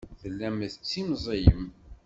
Tellam tettimẓiyem.